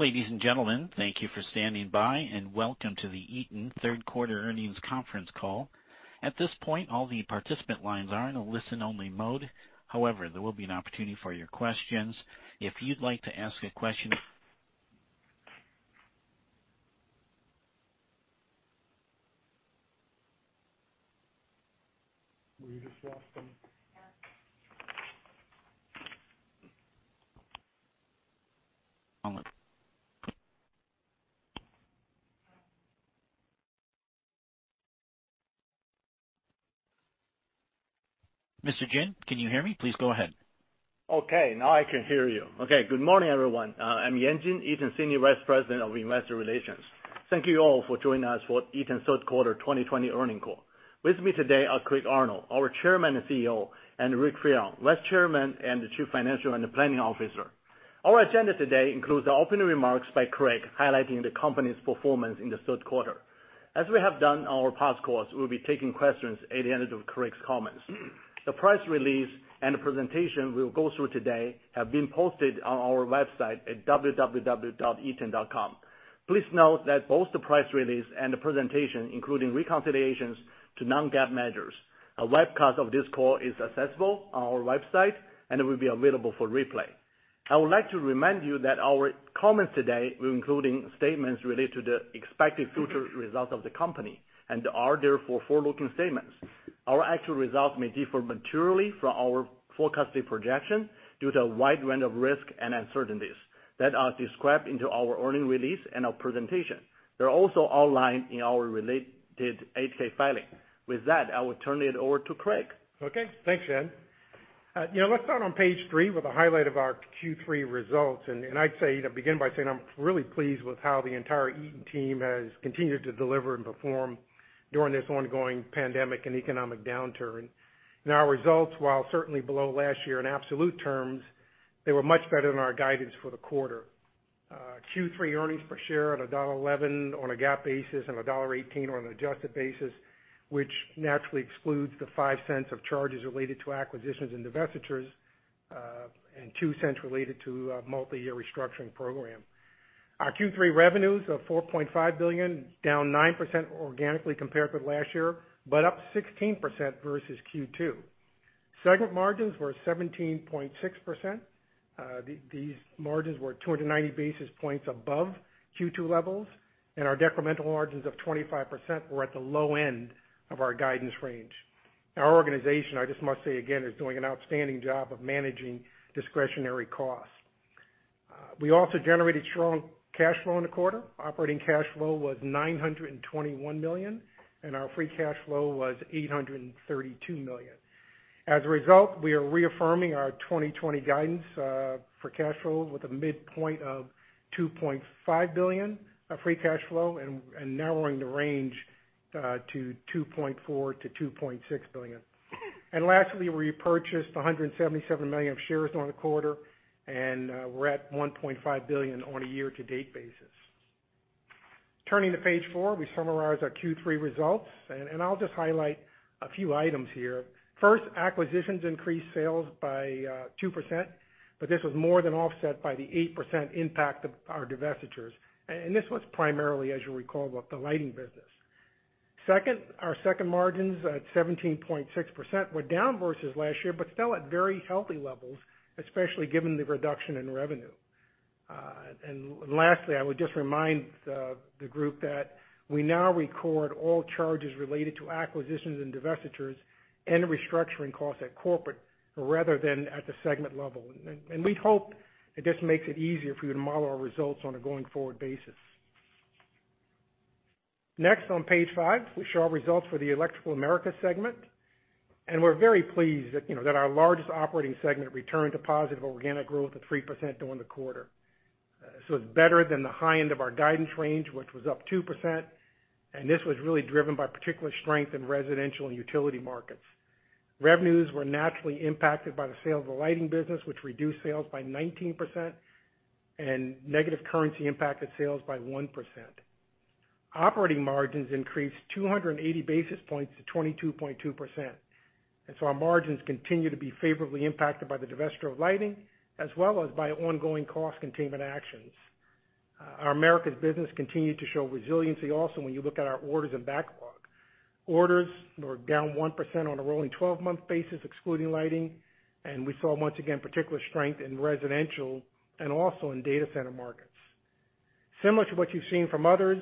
Ladies and gentlemen, thank you for standing by. Welcome to the Eaton Third Quarter Earnings Conference Call. At this point, all the participant lines are in a listen-only mode. However, there will be an opportunity for your questions. If you'd like to ask a question. We just lost them. Yeah. Mr. Jin, can you hear me? Please go ahead. Okay, now I can hear you. Okay. Good morning, everyone. I'm Yan Jin, Eaton Senior Vice President of Investor Relations. Thank you all for joining us for Eaton's third quarter 2020 earnings call. With me today are Craig Arnold, our chairman and CEO, and Rick Fearon, Vice Chairman and the Chief Financial and Planning Officer. Our agenda today includes the opening remarks by Craig, highlighting the company's performance in the third quarter. As we have done on our past calls, we will be taking questions at the end of Craig's comments. The press release and the presentation we'll go through today have been posted on our website at www.eaton.com. Please note that both the press release and the presentation, including reconciliations to non-GAAP measures. A webcast of this call is accessible on our website, and it will be available for replay. I would like to remind you that our comments today will including statements related to the expected future results of the company, and are therefore forward-looking statements. Our actual results may differ materially from our forecasted projection due to a wide range of risks and uncertainties that are described into our earnings release and our presentation. They're also outlined in our related 8-K filing. With that, I will turn it over to Craig. Okay. Thanks, Yan. Let's start on page three with a highlight of our Q3 results. I'd say to begin by saying I'm really pleased with how the entire Eaton team has continued to deliver and perform during this ongoing pandemic and economic downturn. Our results, while certainly below last year in absolute terms, they were much better than our guidance for the quarter. Q3 earnings per share at $1.11 on a GAAP basis and $1.18 on an adjusted basis, which naturally excludes the $0.05 of charges related to acquisitions and divestitures, and $0.02 related to a multi-year restructuring program. Our Q3 revenues of $4.5 billion, down 9% organically compared with last year, but up 16% versus Q2. Segment margins were 17.6%. These margins were 290 basis points above Q2 levels, and our decremental margins of 25% were at the low end of our guidance range. Our organization, I just must say again, is doing an outstanding job of managing discretionary costs. We also generated strong cash flow in the quarter. Operating cash flow was $921 million, and our free cash flow was $832 million. As a result, we are reaffirming our 2020 guidance for cash flow with a midpoint of $2.5 billion of free cash flow and narrowing the range to $2.4 billion-$2.6 billion. And lastly, we repurchased 177 million shares on the quarter, and we're at $1.5 billion on a year-to-date basis. Turning to page four, we summarize our Q3 results, I'll just highlight a few items here. Acquisitions increased sales by 2%, this was more than offset by the 8% impact of our divestitures. This was primarily, as you recall, with the lighting business. Second, our second margins at 17.6% were down versus last year, but still at very healthy levels, especially given the reduction in revenue. Lastly, I would just remind the group that we now record all charges related to acquisitions and divestitures and restructuring costs at corporate rather than at the segment level. We'd hope it just makes it easier for you to model our results on a going-forward basis. Next, on page five, we show our results for the Electrical Americas segment. We're very pleased that our largest operating segment returned to positive organic growth of 3% during the quarter. It's better than the high end of our guidance range, which was up 2%, and this was really driven by particular strength in residential and utility markets. Revenues were naturally impacted by the sale of the lighting business, which reduced sales by 19%, and negative currency impacted sales by 1%. Operating margins increased 280 basis points to 22.2%. Our margins continue to be favorably impacted by the divesture of lighting, as well as by ongoing cost containment actions. Our Americas business continued to show resiliency also when you look at our orders and backlog. Orders were down 1% on a rolling 12-month basis, excluding lighting, and we saw once again particular strength in residential and also in data center markets. Similar to what you've seen from others,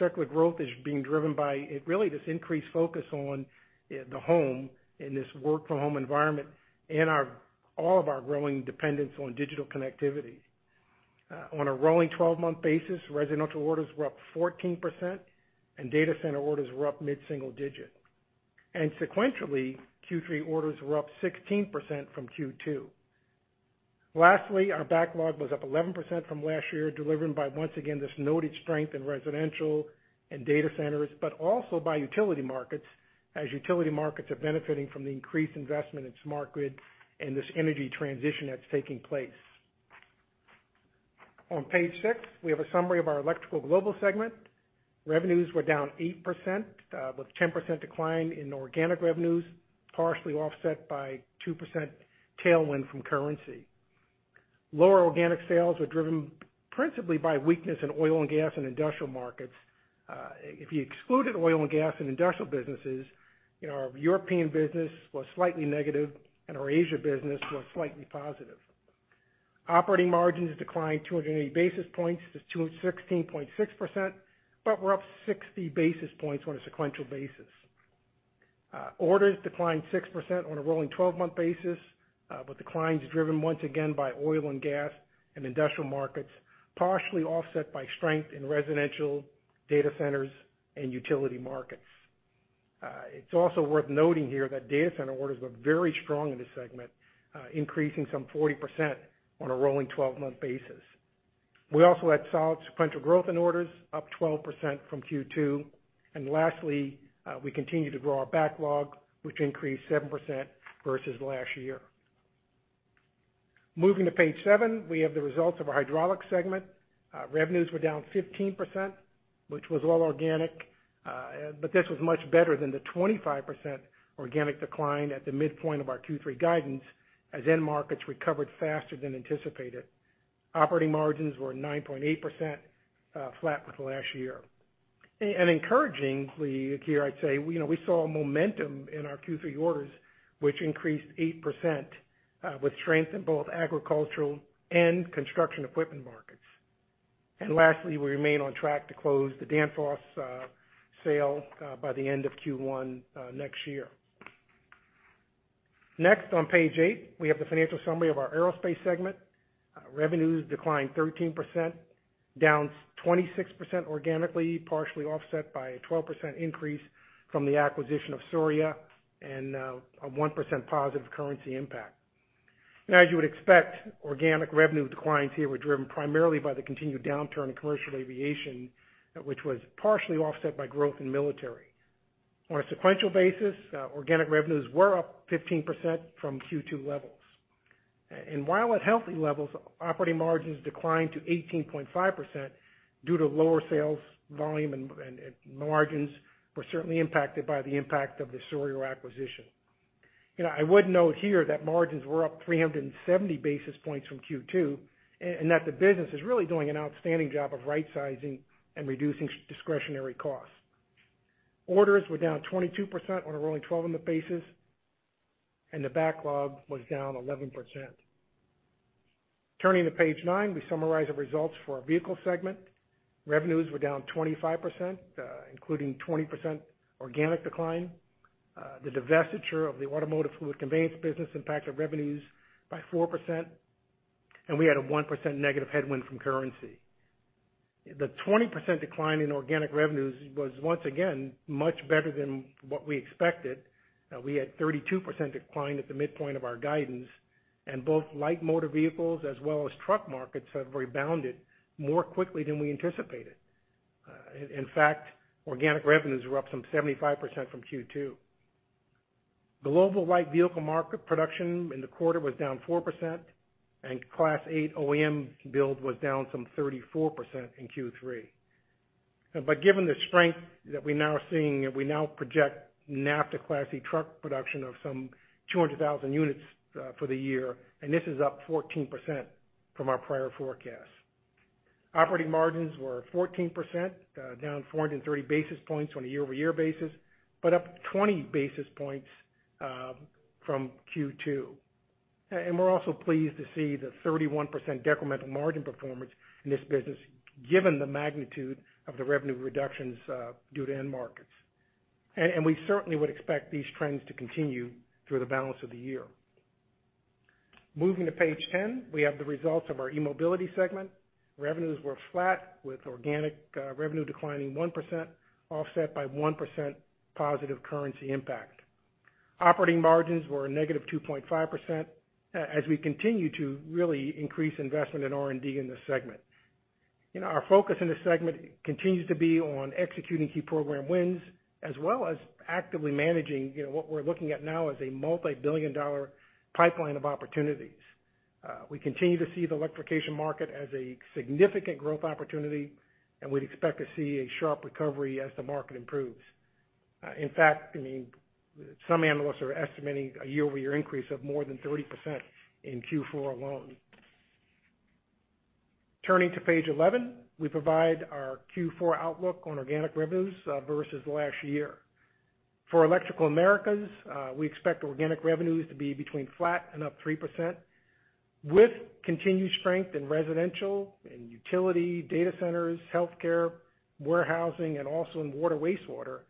secular growth is being driven by really this increased focus on the home in this work from home environment and all of our growing dependence on digital connectivity. On a rolling 12-month basis, residential orders were up 14%, and data center orders were up mid-single digit. Sequentially, Q3 orders were up 16% from Q2. Lastly, our backlog was up 11% from last year, delivered by once again, this noted strength in residential and data centers, but also by utility markets, as utility markets are benefiting from the increased investment in smart grid and this energy transition that's taking place. On page six, we have a summary of our Electrical Global segment. Revenues were down 8%, with 10% decline in organic revenues, partially offset by 2% tailwind from currency. Lower organic sales were driven principally by weakness in oil and gas and industrial markets. If you excluded oil and gas and industrial businesses, our European business was slightly negative and our Asia business was slightly positive. Operating margins declined 280 basis points to 16.6%, but were up 60 basis points on a sequential basis. Orders declined 6% on a rolling 12-month basis, with declines driven once again by oil and gas and industrial markets, partially offset by strength in residential, data centers, and utility markets. It's also worth noting here that data center orders were very strong in this segment, increasing some 40% on a rolling 12-month basis. We also had solid sequential growth in orders, up 12% from Q2. Lastly, we continue to grow our backlog, which increased 7% versus last year. Moving to page seven, we have the results of our hydraulics segment. Revenues were down 15%, which was all organic. This was much better than the 25% organic decline at the midpoint of our Q3 guidance, as end markets recovered faster than anticipated. Operating margins were 9.8%, flat with last year. Encouragingly here, I'd say, we saw a momentum in our Q3 orders, which increased 8%, with strength in both agricultural and construction equipment markets. Lastly, we remain on track to close the Danfoss sale by the end of Q1 next year. Next, on page eight, we have the financial summary of our aerospace segment. Revenues declined 13%, down 26% organically, partially offset by a 12% increase from the acquisition of Souriau and a 1% positive currency impact. As you would expect, organic revenue declines here were driven primarily by the continued downturn in commercial aviation, which was partially offset by growth in military. On a sequential basis, organic revenues were up 15% from Q2 levels. While at healthy levels, operating margins declined to 18.5% due to lower sales volume, and margins were certainly impacted by the impact of the Souriau acquisition. I would note here that margins were up 370 basis points from Q2, and that the business is really doing an outstanding job of rightsizing and reducing discretionary costs. Orders were down 22% on a rolling 12-month basis, and the backlog was down 11%. Turning to page nine, we summarize the results for our vehicles segment. Revenues were down 25%, including 20% organic decline. The divestiture of the automotive fluid conveyance business impacted revenues by 4%, and we had a 1% negative headwind from currency. The 20% decline in organic revenues was, once again, much better than what we expected. We had 32% decline at the midpoint of our guidance, and both light motor vehicles as well as truck markets have rebounded more quickly than we anticipated. In fact, organic revenues were up some 75% from Q2. Global light vehicle market production in the quarter was down 4%, and Class 8 OEM build was down some 34% in Q3. Given the strength that we're now seeing, we now project NAFTA Class 8 truck production of some 200,000 units for the year, and this is up 14% from our prior forecast. Operating margins were 14%, down 430 basis points on a year-over-year basis, but up 20 basis points from Q2. We're also pleased to see the 31% decremental margin performance in this business, given the magnitude of the revenue reductions due to end markets. We certainly would expect these trends to continue through the balance of the year. Moving to page 10, we have the results of our eMobility segment. Revenues were flat, with organic revenue declining 1%, offset by 1% positive currency impact. Operating margins were a -2.5% as we continue to really increase investment in R&D in this segment. Our focus in this segment continues to be on executing key program wins, as well as actively managing what we're looking at now as a multi-billion dollar pipeline of opportunities. We continue to see the electrification market as a significant growth opportunity, and we'd expect to see a sharp recovery as the market improves. In fact, some analysts are estimating a year-over-year increase of more than 30% in Q4 alone. Turning to page 11, we provide our Q4 outlook on organic revenues versus last year. For Electrical Americas, we expect organic revenues to be between flat and up 3%, with continued strength in residential and utility data centers, healthcare, warehousing, and also in water wastewater,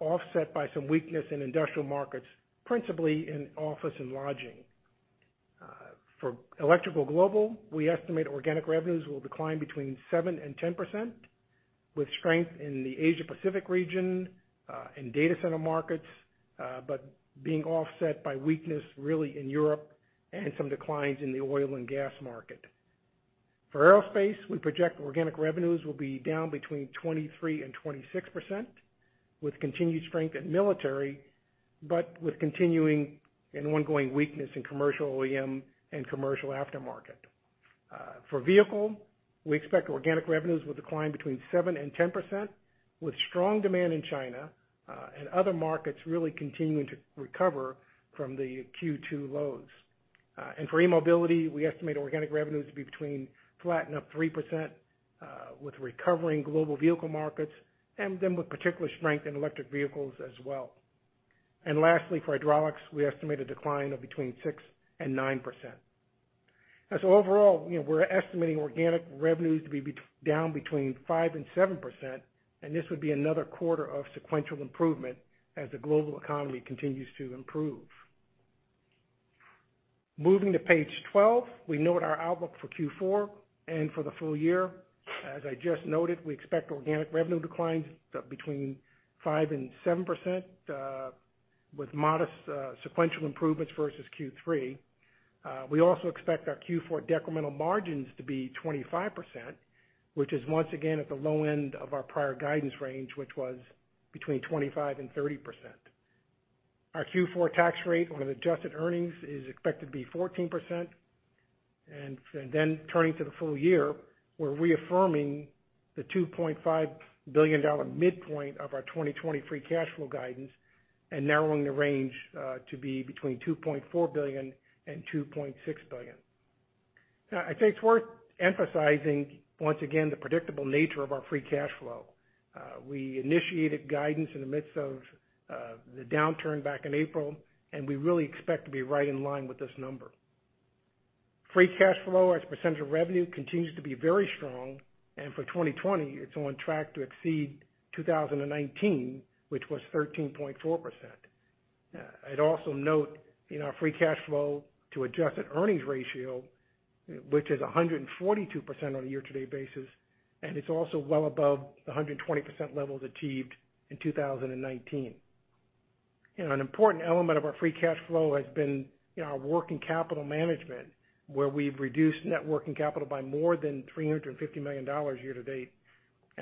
offset by some weakness in industrial markets, principally in office and lodging. For Electrical Global, we estimate organic revenues will decline between 7% and 10%, with strength in the Asia Pacific region and data center markets, being offset by weakness really in Europe and some declines in the oil and gas market. For aerospace, we project organic revenues will be down between 23% and 26%, with continued strength in military, with continuing and ongoing weakness in commercial OEM and commercial aftermarket. For vehicle, we expect organic revenues will decline between 7% and 10%, with strong demand in China and other markets really continuing to recover from the Q2 lows. For eMobility, we estimate organic revenues to be between flat and up 3% with recovering global vehicle markets, with particular strength in electric vehicles as well. Lastly, for hydraulics, we estimate a decline of between 6% and 9%. Overall, we're estimating organic revenues to be down between 5% and 7%, and this would be another quarter of sequential improvement as the global economy continues to improve. Moving to page 12, we note our outlook for Q4 and for the full year. As I just noted, we expect organic revenue declines between 5% and 7% with modest sequential improvements versus Q3. We also expect our Q4 decremental margins to be 25%, which is once again at the low end of our prior guidance range, which was between 25% and 30%. Our Q4 tax rate on adjusted earnings is expected to be 14%. Turning to the full year, we're reaffirming the $2.5 billion midpoint of our 2020 free cash flow guidance and narrowing the range to be between $2.4 billion and $2.6 billion. Now, I think it's worth emphasizing, once again, the predictable nature of our free cash flow. We initiated guidance in the midst of the downturn back in April, we really expect to be right in line with this number. Free cash flow as a percentage of revenue continues to be very strong, for 2020, it's on track to exceed 2019, which was 13.4%. I'd also note in our free cash flow to adjusted earnings ratio, which is 142% on a year-to-date basis, it's also well above the 120% levels achieved in 2019. An important element of our free cash flow has been our working capital management, where we've reduced net working capital by more than $350 million year-to-date.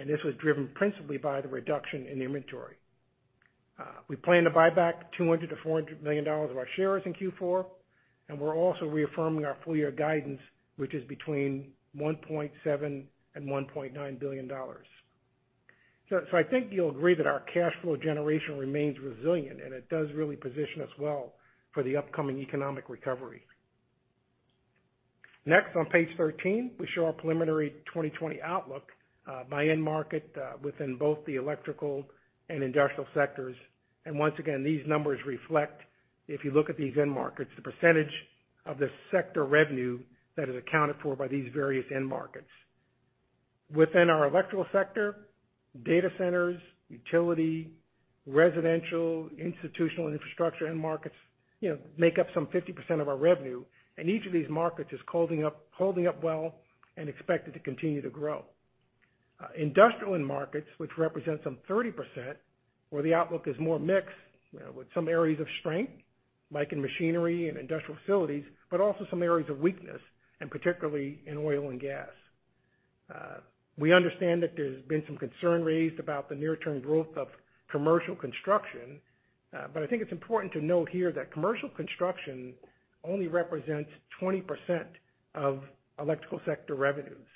This was driven principally by the reduction in inventory. We plan to buy back $200 million-$400 million of our shares in Q4, and we're also reaffirming our full year guidance, which is between $1.7 billion and $1.9 billion. I think you'll agree that our cash flow generation remains resilient, and it does really position us well for the upcoming economic recovery. Next, on page 13, we show our preliminary 2020 outlook by end market within both the Electrical and industrial sectors. Once again, these numbers reflect, if you look at these end markets, the percentage of the sector revenue that is accounted for by these various end markets. Within our Electrical sector, data centers, utility, residential, institutional, and infrastructure end markets make up some 50% of our revenue, and each of these markets is holding up well and expected to continue to grow. Industrial end markets, which represent some 30%, where the outlook is more mixed with some areas of strength, like in machinery and industrial facilities, but also some areas of weakness, and particularly in oil and gas. We understand that there's been some concern raised about the near-term growth of commercial construction. I think it's important to note here that commercial construction only represents 20% of Electrical Sector revenues.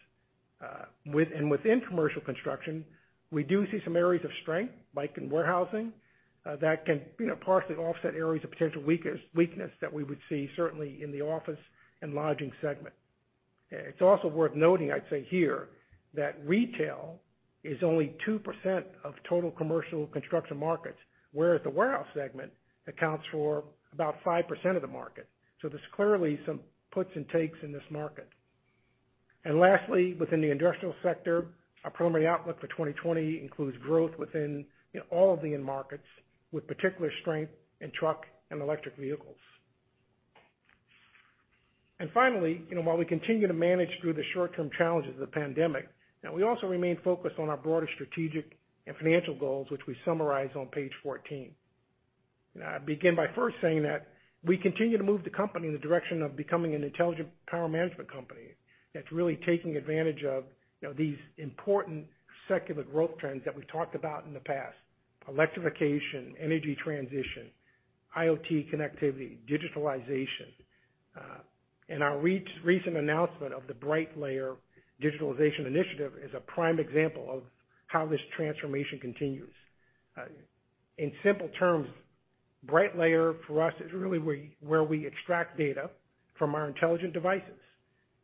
Within commercial construction, we do see some areas of strength, like in warehousing, that can partially offset areas of potential weakness that we would see certainly in the office and lodging segment. It's also worth noting, I'd say here, that retail is only 2% of total commercial construction markets, whereas the warehouse segment accounts for about 5% of the market. There's clearly some puts and takes in this market. Lastly, within the industrial sector, our preliminary outlook for 2020 includes growth within all of the end markets, with particular strength in truck and electric vehicles. Finally, while we continue to manage through the short-term challenges of the pandemic, we also remain focused on our broader strategic and financial goals, which we summarize on page 14. I begin by first saying that we continue to move the company in the direction of becoming an intelligent power management company that's really taking advantage of these important secular growth trends that we've talked about in the past: electrification, energy transition, IoT connectivity, digitalization. Our recent announcement of the Brightlayer digitalization initiative is a prime example of how this transformation continues. In simple terms, Brightlayer for us is really where we extract data from our intelligent devices.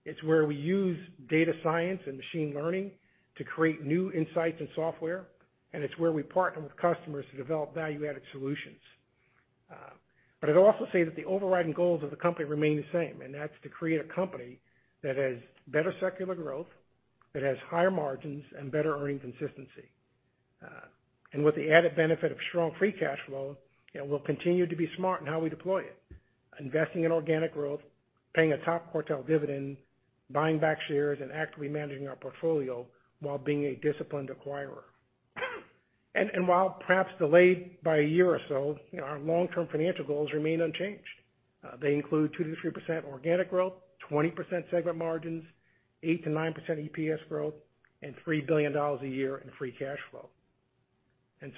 It's where we use data science and machine learning to create new insights and software, and it's where we partner with customers to develop value-added solutions. I'd also say that the overriding goals of the company remain the same, that's to create a company that has better secular growth, that has higher margins, and better earning consistency. With the added benefit of strong free cash flow, we'll continue to be smart in how we deploy it, investing in organic growth, paying a top quartile dividend, buying back shares, and actively managing our portfolio while being a disciplined acquirer. While perhaps delayed by a year or so, our long-term financial goals remain unchanged. They include 2%-3% organic growth, 20% segment margins, 8%-9% EPS growth, and $3 billion a year in free cash flow.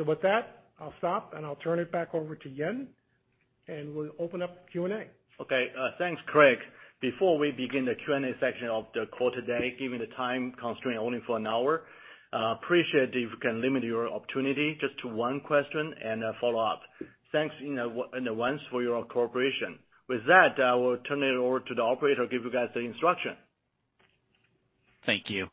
With that, I'll stop and I'll turn it back over to Yan, and we'll open up Q&A. Okay, thanks, Craig. Before we begin the Q&A section of the call today, given the time constraint only for an hour, appreciate if you can limit your opportunity just to one question and a follow-up. Thanks in advance for your cooperation. With that, I will turn it over to the operator, who will give you guys the instruction. Thank you.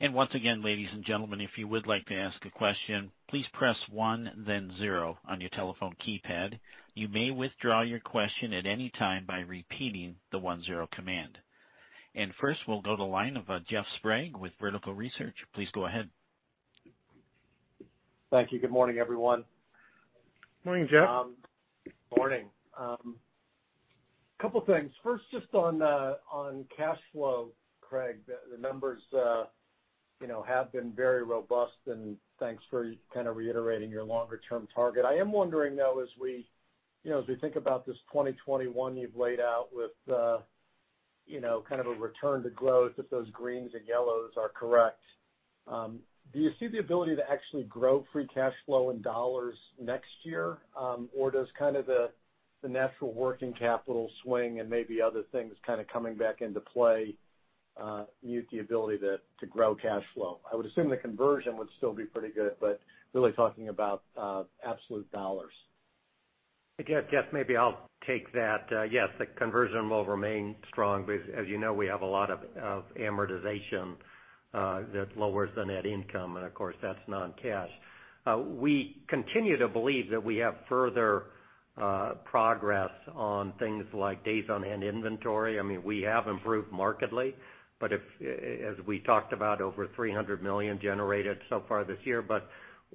Once again, ladies and gentlemen, if you would like to ask a question, please press one then zero on your telephone keypad. You may withdraw your question at any time by repeating the one-zero command. First we'll go to the line of Jeff Sprague with Vertical Research. Please go ahead. Thank you. Good morning, everyone. Morning, Jeff. Morning. Couple things. First, just on cash flow, Craig, the numbers have been very robust, and thanks for kind of reiterating your longer term target. I am wondering, though, as we think about this 2021 you've laid out with kind of a return to growth, if those greens and yellows are correct. Do you see the ability to actually grow free cash flow in dollars next year? Or does kind of the natural working capital swing and maybe other things kind of coming back into play mute the ability to grow cash flow? I would assume the conversion would still be pretty good, but really talking about absolute dollars. Jeff, maybe I'll take that. Yes, the conversion will remain strong. As you know, we have a lot of amortization that lowers the net income, and of course, that's non-cash. We continue to believe that we have further progress on things like days on hand inventory. I mean, we have improved markedly, but as we talked about, over $300 million generated so far this year.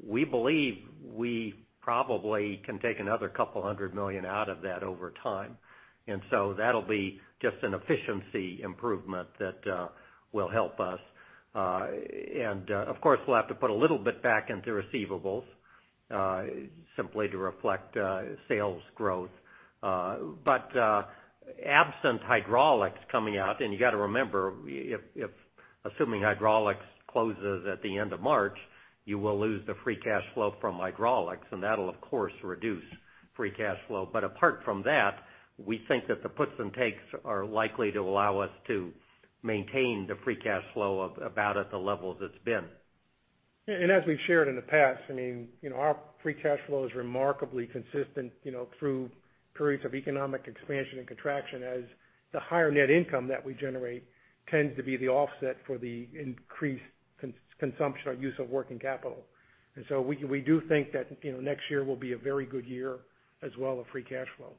We believe we probably can take another couple of hundred million out of that over time. That'll be just an efficiency improvement that will help us. Of course, we'll have to put a little bit back into receivables, simply to reflect sales growth. Absent hydraulics coming out, and you got to remember, assuming hydraulics closes at the end of March, you will lose the free cash flow from hydraulics, and that'll, of course, reduce free cash flow. Apart from that, we think that the puts and takes are likely to allow us to maintain the free cash flow up about at the level it's been. As we've shared in the past, our free cash flow is remarkably consistent through periods of economic expansion and contraction as the higher net income that we generate tends to be the offset for the increased consumption or use of working capital. We do think that next year will be a very good year as well of free cash flow.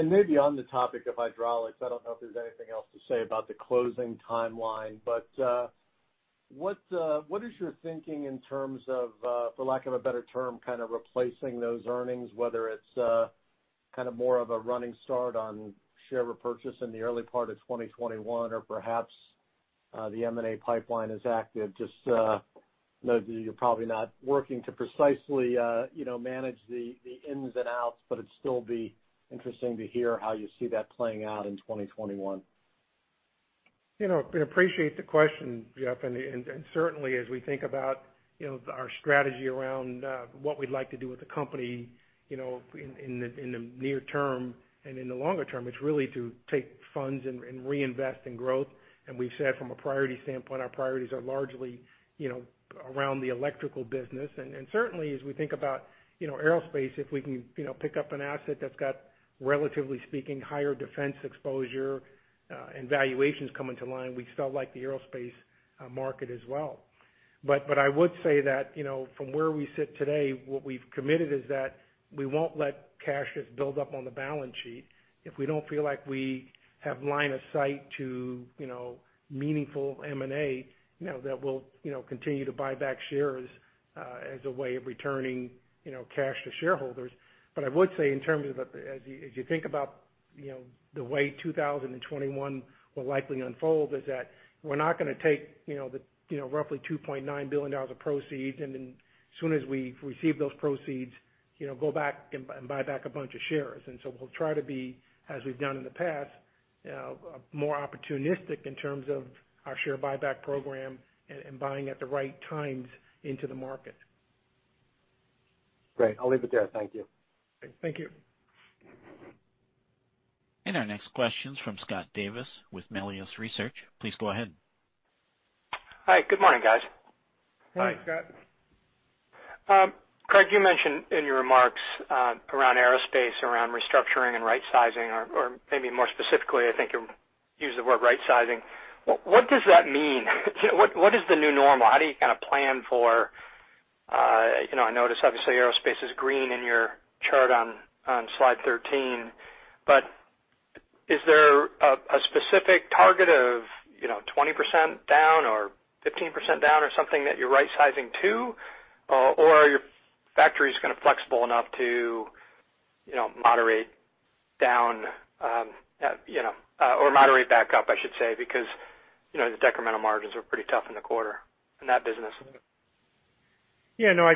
Maybe on the topic of hydraulics, I don't know if there's anything else to say about the closing timeline, but what is your thinking in terms of, for lack of a better term, kind of replacing those earnings, whether it's kind of more of a running start on share repurchase in the early part of 2021 or perhaps the M&A pipeline is active? Just know that you're probably not working to precisely manage the ins and outs, but it'd still be interesting to hear how you see that playing out in 2021. We appreciate the question, Jeff. Certainly as we think about our strategy around what we'd like to do with the company, in the near term and in the longer term, it's really to take funds and reinvest in growth. We've said from a priority standpoint, our priorities are largely around the electrical business. Certainly, as we think about aerospace, if we can pick up an asset that's got, relatively speaking, higher defense exposure and valuations coming to line, we still like the aerospace market as well. I would say that from where we sit today, what we've committed is that we won't let cash just build up on the balance sheet. If we don't feel like we have line of sight to meaningful M&A, that we'll continue to buy back shares as a way of returning cash to shareholders. I would say in terms of as you think about the way 2021 will likely unfold, is that we're not going to take the roughly $2.9 billion of proceeds, and then as soon as we receive those proceeds, go back and buy back a bunch of shares. We'll try to be, as we've done in the past, more opportunistic in terms of our share buyback program and buying at the right times into the market. Great. I'll leave it there. Thank you. Thank you. Our next question's from Scott Davis with Melius Research. Please go ahead. Hi. Good morning, guys. Morning, Scott. Craig, you mentioned in your remarks around aerospace, around restructuring and rightsizing, or maybe more specifically, I think you used the word rightsizing. What does that mean? What is the new normal? How do you kind of I notice, obviously, aerospace is green in your chart on slide 13. Is there a specific target of 20% down or 15% down or something that you're rightsizing to? Are your factories kind of flexible enough to moderate down or moderate back up, I should say, because the decremental margins are pretty tough in the quarter in that business. Yeah, no.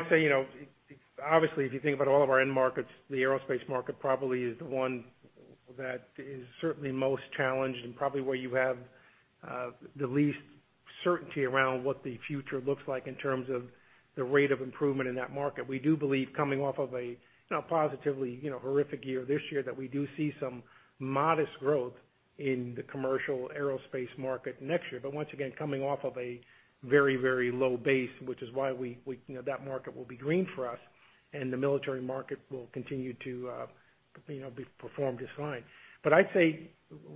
Obviously, if you think about all of our end markets, the aerospace market probably is the one that is certainly most challenged, and probably where you have the least certainty around what the future looks like in terms of the rate of improvement in that market. We do believe coming off of a positively horrific year this year, that we do see some modest growth in the commercial aerospace market next year. Once again, coming off of a very low base, which is why that market will be green for us, and the military market will continue to perform just fine. I'd say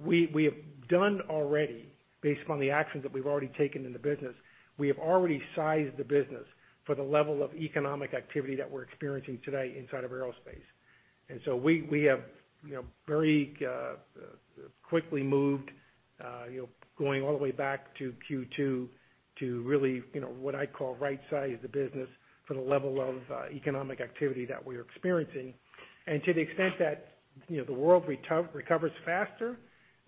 we have done already, based upon the actions that we've already taken in the business, we have already sized the business for the level of economic activity that we're experiencing today inside of aerospace. We have very quickly moved, going all the way back to Q2, to really what I call right-size the business for the level of economic activity that we're experiencing. To the extent that the world recovers faster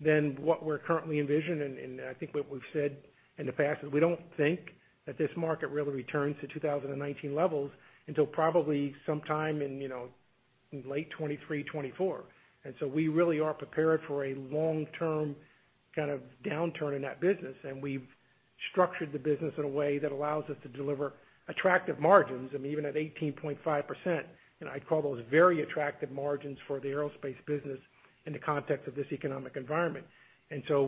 than what we're currently envisioning, and I think what we've said in the past, is we don't think that this market really returns to 2019 levels until probably sometime in late 2023, 2024. We really are prepared for a long-term kind of downturn in that business. We've structured the business in a way that allows us to deliver attractive margins, and even at 18.5%, I'd call those very attractive margins for the aerospace business in the context of this economic environment.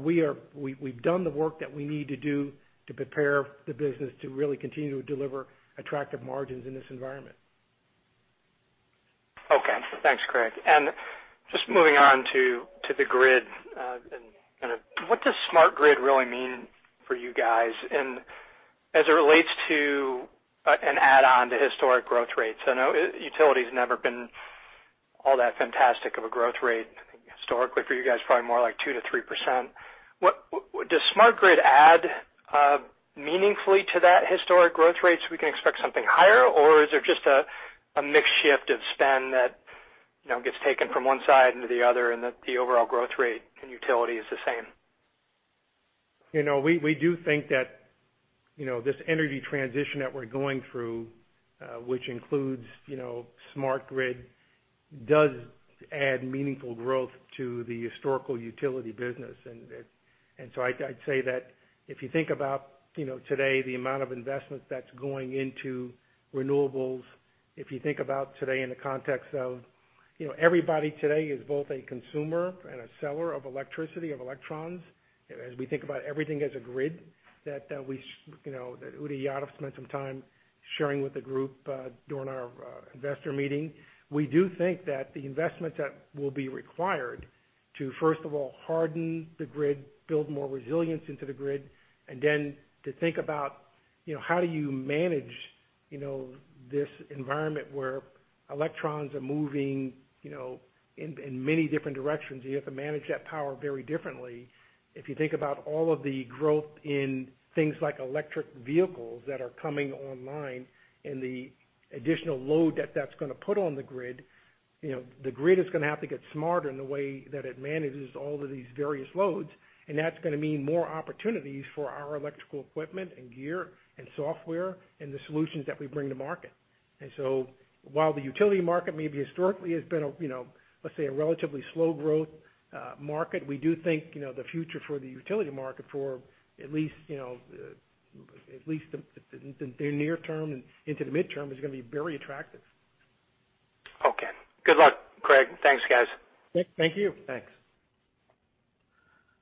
We've done the work that we need to do to prepare the business to really continue to deliver attractive margins in this environment. Okay. Thanks, Craig. Just moving on to the grid, and kind of what does smart grid really mean for you guys? As it relates to an add-on to historic growth rates, I know utility's never been all that fantastic of a growth rate historically for you guys, probably more like 2%-3%. Does smart grid add meaningfully to that historic growth rate, so we can expect something higher? Is there just a mix shift of spend that gets taken from one side into the other, and that the overall growth rate in utility is the same? We do think that this energy transition that we're going through, which includes smart grid, does add meaningful growth to the historical utility business. I'd say that if you think about today, the amount of investment that's going into renewables, if you think about today in the context of everybody today is both a consumer and a seller of electricity, of electrons. As we think about everything as a grid, that Uday Yadav spent some time sharing with the group during our investor meeting. We do think that the investment that will be required to, first of all, harden the grid, build more resilience into the grid, and then to think about how do you manage this environment where electrons are moving in many different directions, you have to manage that power very differently. If you think about all of the growth in things like electric vehicles that are coming online, and the additional load that that's going to put on the grid. The grid is going to have to get smarter in the way that it manages all of these various loads, and that's going to mean more opportunities for our electrical equipment and gear and software and the solutions that we bring to market. While the utility market maybe historically has been, let's say, a relatively slow growth market, we do think the future for the utility market for at least the near term and into the midterm is going to be very attractive. Okay. Good luck, Craig. Thanks, guys. Thank you. Thanks.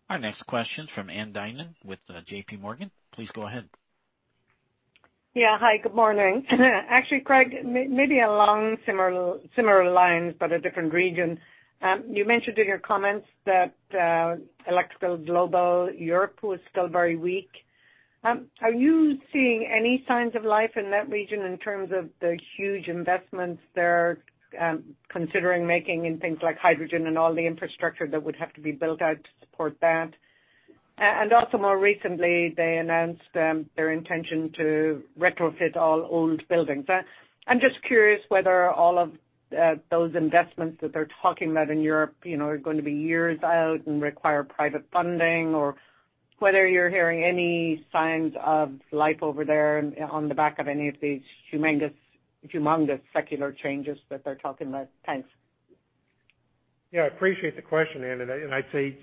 Our next question's from Ann Duignan with JPMorgan. Please go ahead. Yeah. Hi, good morning. Actually, Craig, maybe along similar lines, but a different region. You mentioned in your comments that Electrical Global, Europe was still very weak. Are you seeing any signs of life in that region in terms of the huge investments they're considering making in things like hydrogen and all the infrastructure that would have to be built out to support that? Also more recently, they announced their intention to retrofit all old buildings. I'm just curious whether all of those investments that they're talking about in Europe are going to be years out and require private funding, or whether you're hearing any signs of life over there on the back of any of these humongous secular changes that they're talking about. Thanks. Yeah, I appreciate the question, Ann. I'd say,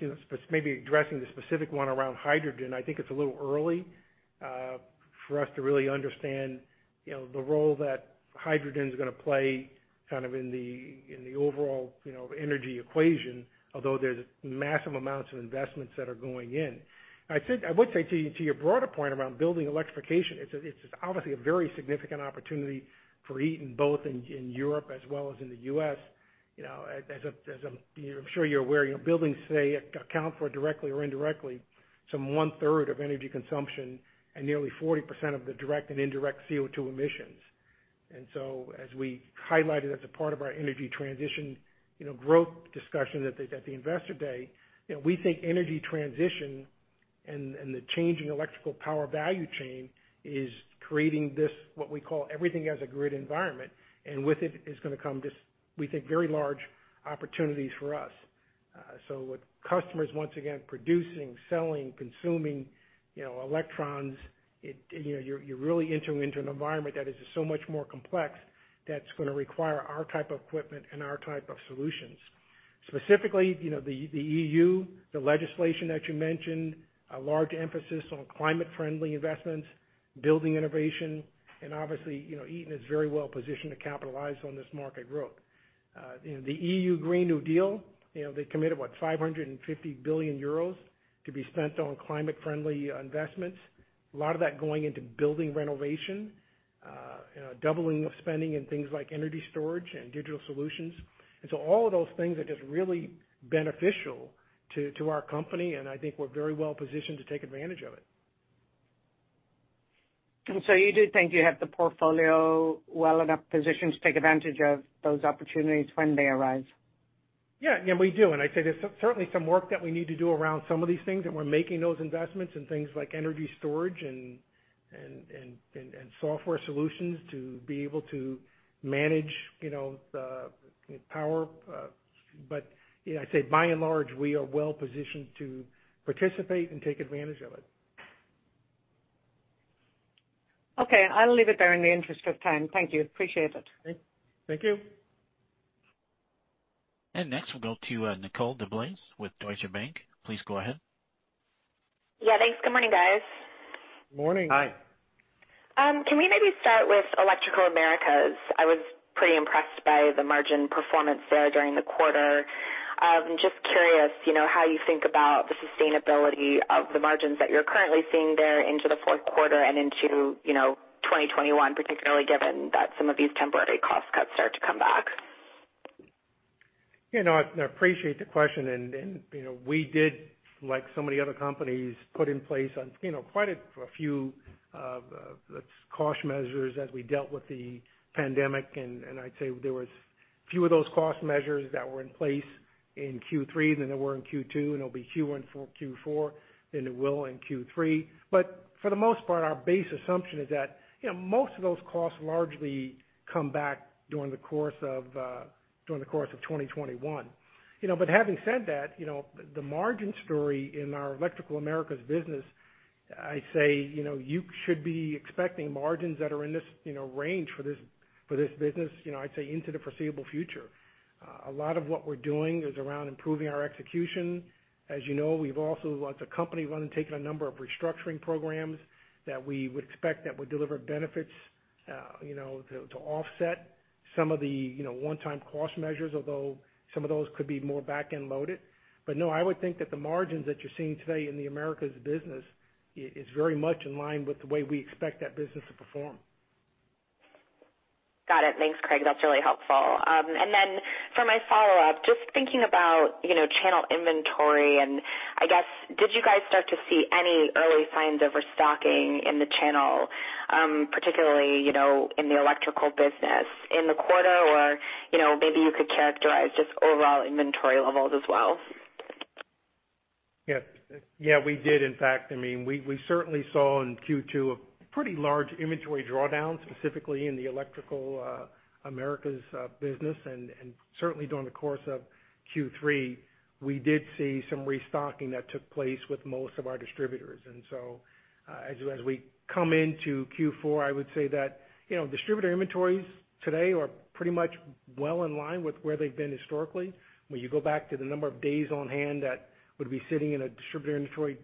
maybe addressing the specific one around hydrogen, I think it's a little early for us to really understand the role that hydrogen's going to play kind of in the overall energy equation, although there's massive amounts of investments that are going in. I would say to your broader point around building electrification, it's obviously a very significant opportunity for Eaton, both in Europe as well as in the U.S. I'm sure you're aware, buildings today account for, directly or indirectly, some one third of energy consumption and nearly 40% of the direct and indirect CO2 emissions. As we highlighted as a part of our energy transition growth discussion at the Investor Day, we think energy transition and the change in electrical power value chain is creating this, what we call Everything as a Grid environment. With it is going to come this, we think, very large opportunities for us. With customers, once again, producing, selling, consuming electrons, you're really entering into an environment that is so much more complex that's going to require our type of equipment and our type of solutions. Specifically, the EU, the legislation that you mentioned, a large emphasis on climate-friendly investments, building innovation, and obviously, Eaton is very well positioned to capitalize on this market growth. The EU Green New Deal, they committed, what, 550 billion euros to be spent on climate-friendly investments. A lot of that going into building renovation, doubling of spending in things like energy storage and digital solutions. All of those things are just really beneficial to our company, and I think we're very well positioned to take advantage of it. You do think you have the portfolio well enough positioned to take advantage of those opportunities when they arise? Yeah, we do. I'd say there's certainly some work that we need to do around some of these things, and we're making those investments in things like energy storage and software solutions to be able to manage the power. I'd say by and large, we are well positioned to participate and take advantage of it. Okay, I'll leave it there in the interest of time. Thank you. Appreciate it. Thank you. Next, we'll go to Nicole DeBlase with Deutsche Bank. Please go ahead. Yeah, thanks. Good morning, guys. Morning. Hi. Can we maybe start with Electrical Americas? I was pretty impressed by the margin performance there during the quarter. I'm just curious, how you think about the sustainability of the margins that you're currently seeing there into the fourth quarter and into 2021, particularly given that some of these temporary cost cuts start to come back. I appreciate the question, and we did, like so many other companies, put in place quite a few cost measures as we dealt with the pandemic, and I'd say there was fewer of those cost measures that were in place in Q3 than there were in Q2, and there'll be fewer in Q4 than there will in Q3. For the most part, our base assumption is that most of those costs largely come back during the course of 2021. Having said that, the margin story in our Electrical Americas business, I'd say you should be expecting margins that are in this range for this business, I'd say, into the foreseeable future. A lot of what we're doing is around improving our execution. As you know, we've also, as a company, undertaken a number of restructuring programs that we would expect that would deliver benefits to offset some of the one-time cost measures, although some of those could be more back-end loaded. No, I would think that the margins that you're seeing today in the Americas business is very much in line with the way we expect that business to perform. Got it. Thanks, Craig. That's really helpful. For my follow-up, just thinking about channel inventory, and I guess, did you guys start to see any early signs of restocking in the channel, particularly in the electrical business in the quarter? Or maybe you could characterize just overall inventory levels as well. Yeah, we did, in fact. We certainly saw in Q2 a pretty large inventory drawdown, specifically in the Electrical Americas business. Certainly during the course of Q3, we did see some restocking that took place with most of our distributors. As we come into Q4, I would say that distributor inventories today are pretty much well in line with where they've been historically. When you go back to the number of days on hand that would be sitting in a distributor inventory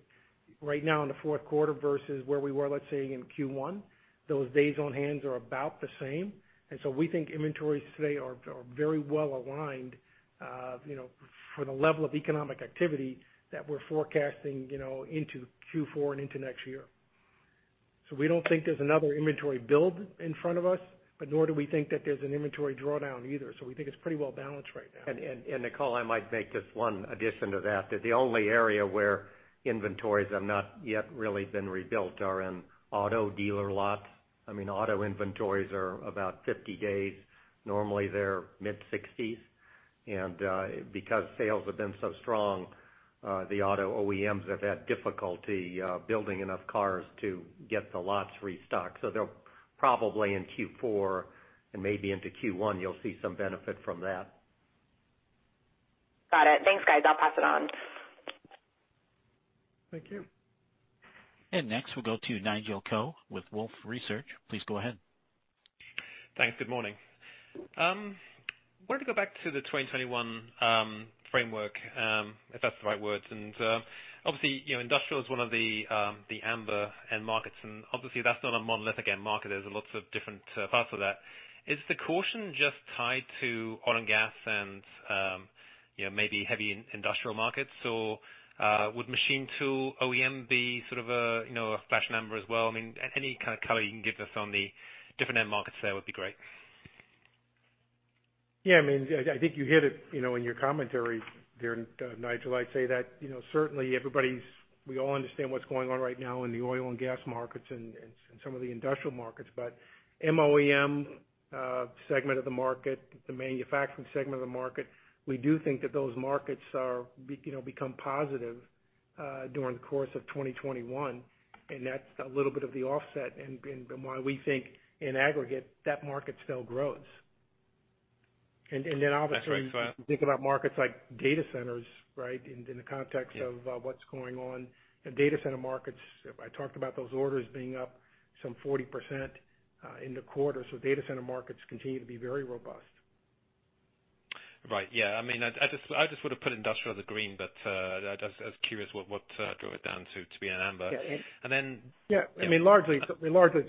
right now in the fourth quarter versus where we were, let's say, in Q1, those days on hands are about the same. We think inventories today are very well aligned for the level of economic activity that we're forecasting into Q4 and into next year. We don't think there's another inventory build in front of us, but nor do we think that there's an inventory drawdown either. We think it's pretty well balanced right now. Nicole, I might make just one addition to that the only area where inventories have not yet really been rebuilt are in auto dealer lots. Auto inventories are about 50 days. Normally, they're mid-60s. Because sales have been so strong, the auto OEMs have had difficulty building enough cars to get the lots restocked. They'll probably in Q4 and maybe into Q1, you'll see some benefit from that. Got it. Thanks, guys. I'll pass it on. Thank you. Next, we'll go to Nigel Coe with Wolfe Research. Please go ahead. Thanks. Good morning. Wanted to go back to the 2021 framework, if that's the right word. Obviously, industrial is one of the amber end markets, and obviously that's not a monolithic end market. There's lots of different parts of that. Is the caution just tied to oil and gas and maybe heavy industrial markets? Would machine tool OEM be sort of a flash number as well? Any kind of color you can give us on the different end markets there would be great. Yeah, I think you hit it in your commentary there, Nigel. I'd say that certainly we all understand what's going on right now in the oil and gas markets and some of the industrial markets. MOEM segment of the market, the manufacturing segment of the market, we do think that those markets become positive during the course of 2021. That's a little bit of the offset and why we think in aggregate, that market still grows. That's right. You think about markets like data centers, right? In the context of what's going on in data center markets, I talked about those orders being up some 40% in the quarter. Data center markets continue to be very robust. Right. Yeah, I just would have put industrial as a green, but I was curious what drew it down to be an amber. Yeah. And then- Yeah, largely it's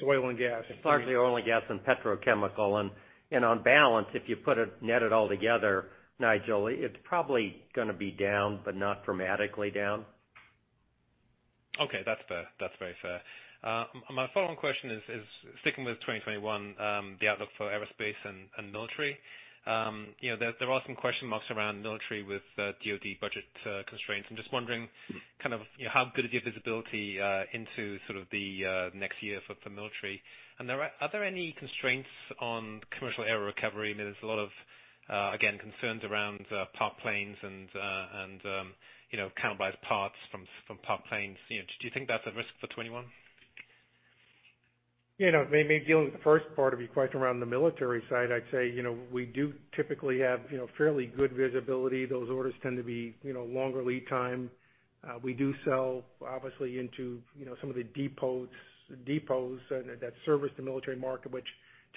oil and gas. Largely oil and gas and petrochemical. On balance, if you net it all together, Nigel, it's probably going to be down, but not dramatically down. Okay, that's fair. That's very fair. My follow-on question is sticking with 2021, the outlook for aerospace and military. There are some question marks around military with DoD budget constraints. I'm just wondering how good is your visibility into sort of the next year for military? Are there any constraints on commercial air recovery? There's a lot of, again, concerns around parked planes and cannibalized parts from parked planes. Do you think that's a risk for 2021? Maybe dealing with the first part of your question around the military side, I'd say we do typically have fairly good visibility. Those orders tend to be longer lead time. We do sell obviously into some of the depots that service the military market, which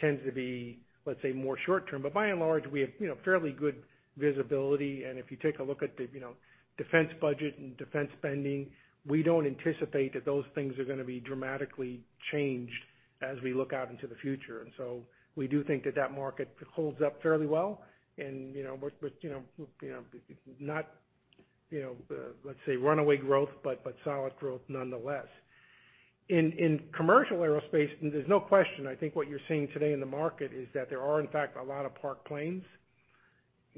tends to be, let's say, more short term. By and large, we have fairly good visibility, and if you take a look at the defense budget and defense spending, we don't anticipate that those things are going to be dramatically changed as we look out into the future. We do think that that market holds up fairly well and not let's say runaway growth, but solid growth nonetheless. In commercial aerospace, there's no question, I think what you're seeing today in the market is that there are, in fact, a lot of parked planes.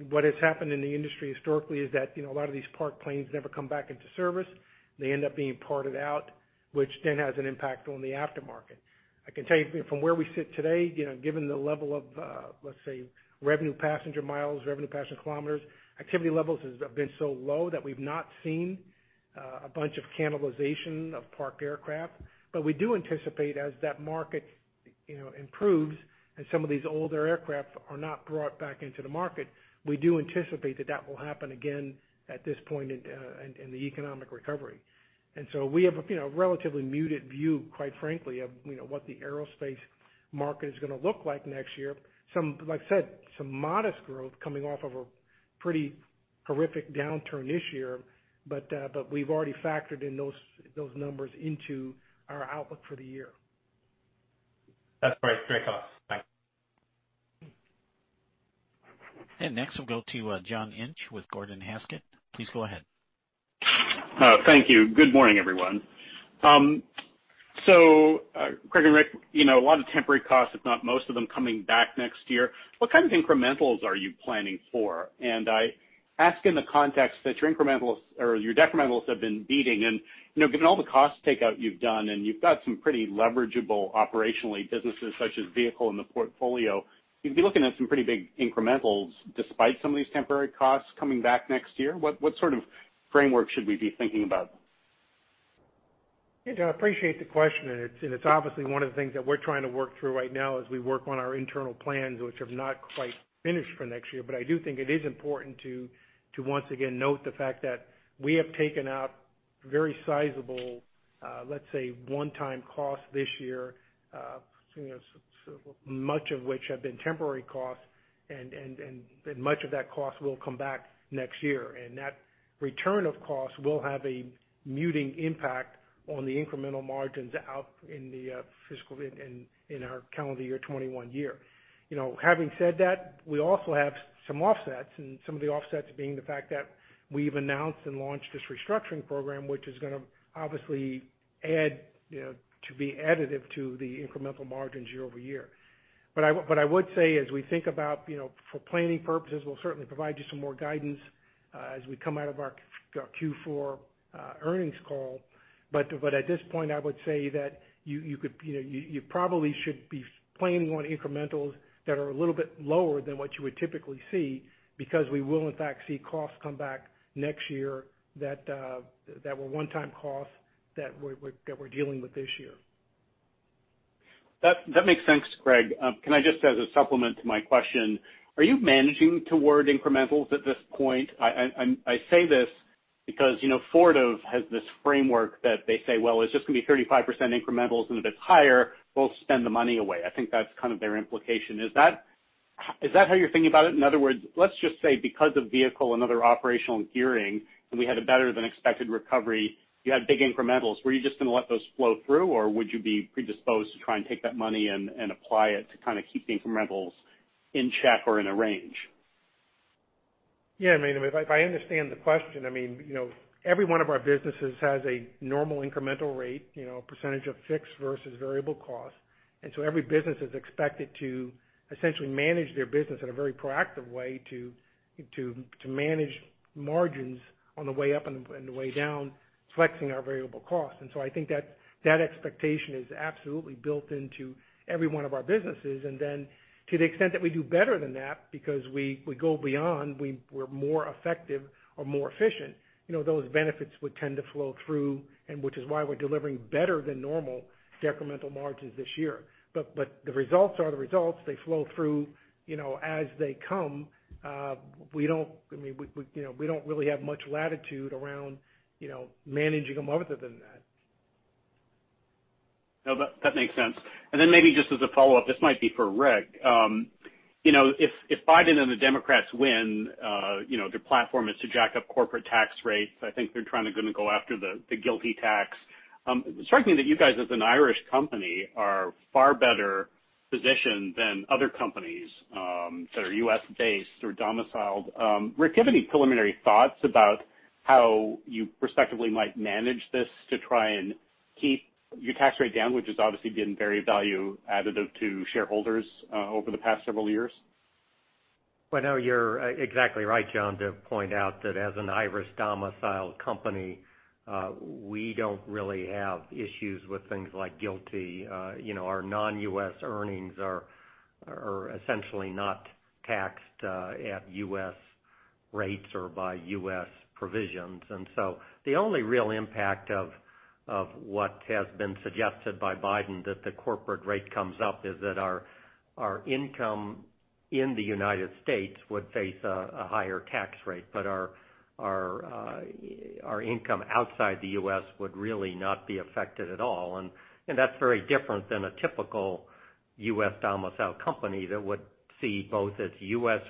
What has happened in the industry historically is that a lot of these parked planes never come back into service. They end up being parted out, which then has an impact on the aftermarket. I can tell you from where we sit today, given the level of, let's say, revenue passenger miles, revenue passenger kilometers, activity levels have been so low that we've not seen a bunch of cannibalization of parked aircraft. We do anticipate as that market improves and some of these older aircraft are not brought back into the market, we do anticipate that that will happen again at this point in the economic recovery. We have a relatively muted view, quite frankly, of what the aerospace market is going to look like next year. Like I said, some modest growth coming off of a pretty horrific downturn this year, but we've already factored in those numbers into our outlook for the year. That's great. Great thoughts. Thanks. Next, we'll go to John Inch with Gordon Haskett. Please go ahead. Thank you. Good morning, everyone. Craig and Rick, a lot of temporary costs, if not most of them, coming back next year. What kind of incrementals are you planning for? I ask in the context that your incrementals or your decrementals have been beating and, given all the cost takeout you've done, and you've got some pretty leverageable operationally businesses such as Vehicle in the portfolio, you'd be looking at some pretty big incrementals despite some of these temporary costs coming back next year. What sort of framework should we be thinking about? Hey, John. I appreciate the question. It's obviously one of the things that we're trying to work through right now as we work on our internal plans, which have not quite finished for next year. I do think it is important to once again note the fact that we have taken out very sizable, let's say, one-time costs this year, much of which have been temporary costs, and much of that cost will come back next year. That return of costs will have a muting impact on the incremental margins out in our calendar year 2021 year. Having said that, we also have some offsets, and some of the offsets being the fact that we've announced and launched this restructuring program, which is going to obviously to be additive to the incremental margins year-over-year. I would say as we think about for planning purposes, we'll certainly provide you some more guidance as we come out of our Q4 earnings call. At this point, I would say that you probably should be planning on incrementals that are a little bit lower than what you would typically see, because we will in fact see costs come back next year that were one-time costs that we're dealing with this year. That makes sense, Craig. Can I just as a supplement to my question, are you managing toward incrementals at this point? I say this because Ford have this framework that they say, well, it's just going to be 35% incrementals, and if it's higher, we'll spend the money away. I think that's kind of their implication. Is that how you're thinking about it? In other words, let's just say because of vehicle and other operational gearing, and we had a better than expected recovery, you had big incrementals. Were you just going to let those flow through, or would you be predisposed to try and take that money and apply it to kind of keep the incrementals in check or in a range? Yeah, if I understand the question, every one of our businesses has a normal incremental rate, a percentage of fixed versus variable cost. Every business is expected to essentially manage their business in a very proactive way to manage margins on the way up and the way down, flexing our variable costs. I think that expectation is absolutely built into every one of our businesses. To the extent that we do better than that, because we go beyond, we're more effective or more efficient, those benefits would tend to flow through, and which is why we're delivering better than normal decremental margins this year. The results are the results. They flow through as they come. We don't really have much latitude around managing them other than that. No, that makes sense. Then maybe just as a follow-up, this might be for Rick. If Biden and the Democrats win, their platform is to jack up corporate tax rates. I think they're trying to go after the GILTI tax. It strikes me that you guys, as an Irish company, are far better positioned than other companies that are U.S.-based or domiciled. Rick, do you have any preliminary thoughts about how you respectively might manage this to try and keep your tax rate down, which has obviously been very value additive to shareholders over the past several years? Well, no, you're exactly right, John, to point out that as an Irish domiciled company, we don't really have issues with things like GILTI. Our non-U.S. earnings are essentially not taxed at U.S. rates or by U.S. provisions. The only real impact of what has been suggested by Biden that the corporate rate comes up is that our income in the United States would face a higher tax rate. Our income outside the U.S. would really not be affected at all. That's very different than a typical U.S. domiciled company that would see both its U.S.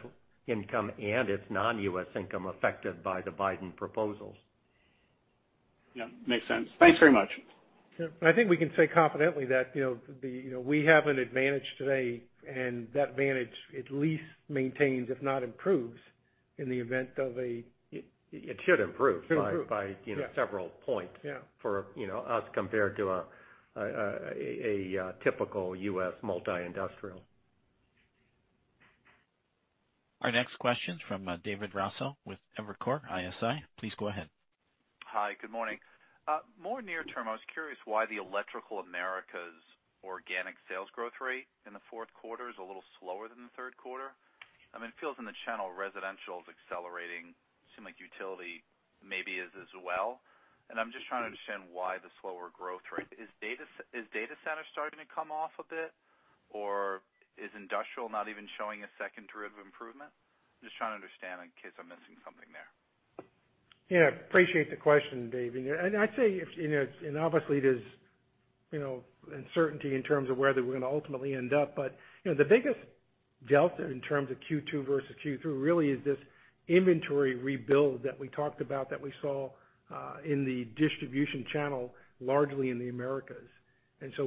income and its non-U.S. income affected by the Biden proposals. Yeah, makes sense. Thanks very much. Sure. I think we can say confidently that we have an advantage today, and that advantage at least maintains, if not improves, in the event of a- It should improve- It should improve, yeah. By several points- Yeah. For us compared to a typical U.S. multi-industrial. Our next question is from David Raso with Evercore ISI. Please go ahead. Hi, good morning. More near term, I was curious why the Electrical Americas organic sales growth rate in the fourth quarter is a little slower than the third quarter. It feels in the channel residential is accelerating, seem like utility maybe is as well. I'm just trying to understand why the slower growth rate. Is data center starting to come off a bit, or is industrial not even showing a second derivative improvement? I'm just trying to understand in case I'm missing something there. Yeah, appreciate the question, David. I'd say, obviously there's uncertainty in terms of where we're going to ultimately end up, but the biggest delta in terms of Q2 versus Q3 really is this inventory rebuild that we talked about that we saw in the distribution channel, largely in the Americas.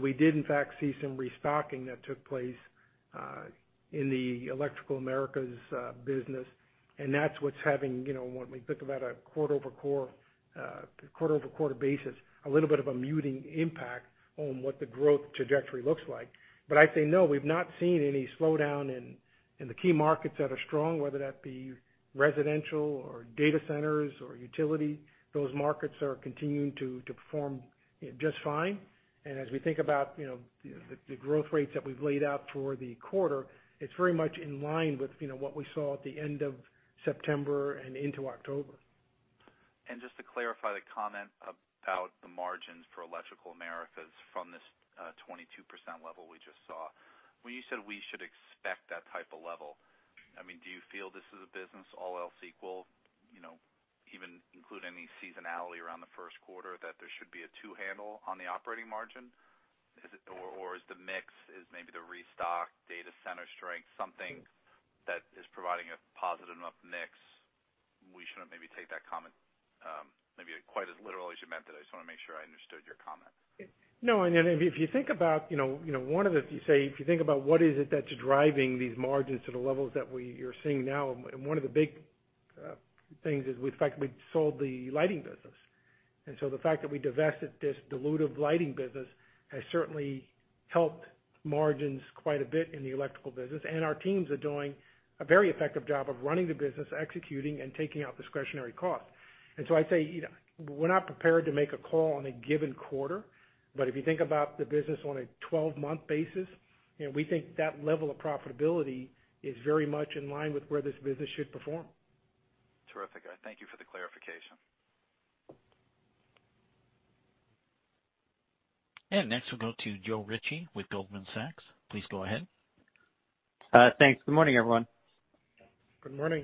We did in fact see some restocking that took place in the Electrical Americas business, and that's what's having, when we think about a quarter-over-quarter basis, a little bit of a muting impact on what the growth trajectory looks like. I'd say, no, we've not seen any slowdown in the key markets that are strong, whether that be residential or data centers or utility. Those markets are continuing to perform just fine. As we think about the growth rates that we've laid out for the quarter, it's very much in line with what we saw at the end of September and into October. Just to clarify the comment about the margins for Electrical Americas from this 22% level we just saw. When you said we should expect that type of level, do you feel this is a business, all else equal, even including any seasonality around the first quarter, that there should be a two handle on the operating margin? Or is the mix, is maybe the restock data center strength something that is providing a positive enough mix, we shouldn't maybe take that comment maybe quite as literally as you meant that? I just want to make sure I understood your comment. No. If you think about what is it that's driving these margins to the levels that you're seeing now, one of the big things is the fact that we sold the lighting business. The fact that we divested this dilutive lighting business has certainly helped margins quite a bit in the electrical business. Our teams are doing a very effective job of running the business, executing, and taking out discretionary costs. I'd say we're not prepared to make a call on a given quarter, but if you think about the business on a 12-month basis, we think that level of profitability is very much in line with where this business should perform. Terrific. Thank you for the clarification. Next we'll go to Joe Ritchie with Goldman Sachs. Please go ahead. Thanks. Good morning, everyone. Good morning.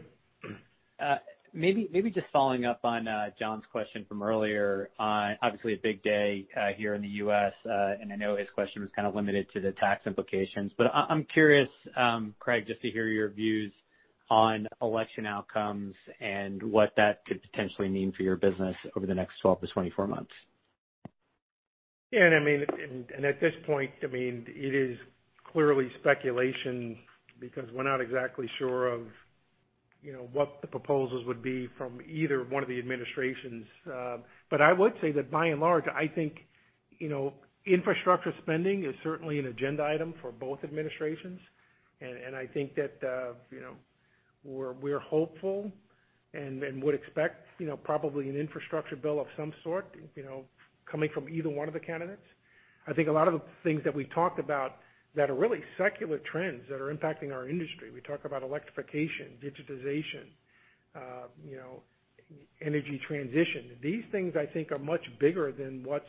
Maybe just following up on John's question from earlier. Obviously a big day here in the U.S., and I know his question was kind of limited to the tax implications. I'm curious, Craig, just to hear your views on election outcomes and what that could potentially mean for your business over the next 12-24 months. Yeah. At this point, it is clearly speculation because we're not exactly sure of what the proposals would be from either one of the administrations. I would say that by and large, I think, infrastructure spending is certainly an agenda item for both administrations. I think that we're hopeful and would expect probably an infrastructure bill of some sort coming from either one of the candidates. I think a lot of the things that we talked about that are really secular trends that are impacting our industry. We talk about electrification, digitization, energy transition. These things, I think, are much bigger than what's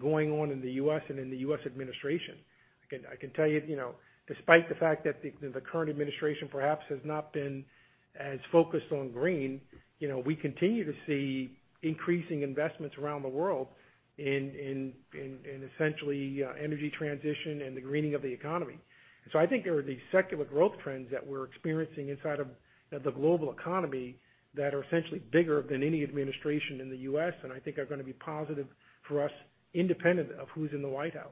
going on in the U.S. and in the U.S. administration. I can tell you, despite the fact that the current administration perhaps has not been as focused on green, we continue to see increasing investments around the world in essentially energy transition and the greening of the economy. I think there are these secular growth trends that we're experiencing inside of the global economy that are essentially bigger than any administration in the U.S., and I think are going to be positive for us independent of who's in the White House.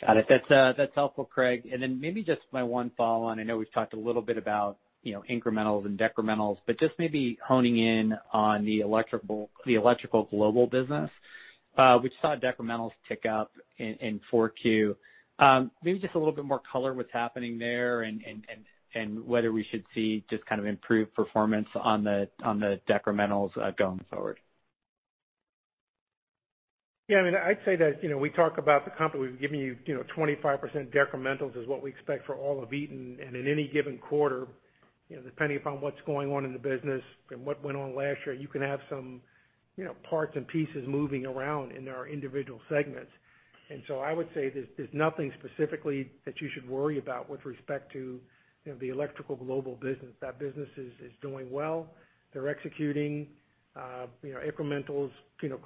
Got it. That's helpful, Craig. Then maybe just my one follow-on. I know we've talked a little bit about incrementals and decrementals, just maybe honing in on the Electrical Global business. We just saw decrementals tick up in Q4. Maybe just a little bit more color what's happening there and whether we should see just kind of improved performance on the decrementals going forward. I'd say that we talk about the company, we've given you 25% decrementals is what we expect for all of Eaton. In any given quarter, depending upon what's going on in the business and what went on last year, you can have some parts and pieces moving around in our individual segments. I would say there's nothing specifically that you should worry about with respect to the Electrical Global business. That business is doing well. They're executing. Incrementals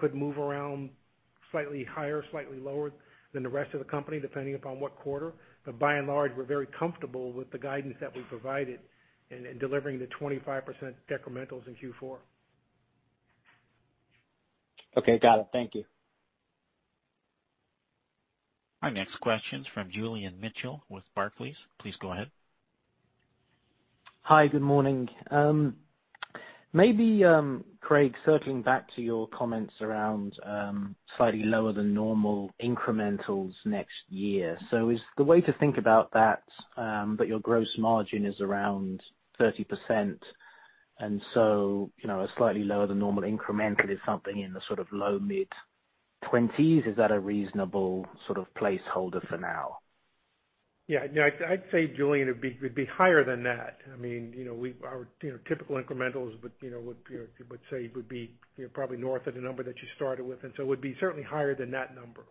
could move around slightly higher, slightly lower than the rest of the company, depending upon what quarter. By and large, we're very comfortable with the guidance that we provided in delivering the 25% decrementals in Q4. Okay. Got it. Thank you. Our next question's from Julian Mitchell with Barclays. Please go ahead. Hi. Good morning. Maybe, Craig, circling back to your comments around slightly lower than normal incrementals next year. Is the way to think about that your gross margin is around 30%, and so, a slightly lower than normal incremental is something in the sort of low mid-20%s? Is that a reasonable sort of placeholder for now? No, I'd say, Julian, it'd be higher than that. Our typical incrementals would say it would be probably north of the number that you started with, and so it would be certainly higher than that number.